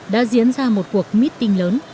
đã diễn ra một cuộc meeting lớn